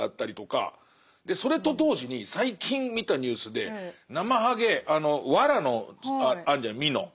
それと同時に最近見たニュースでナマハゲあの藁のあるじゃん蓑。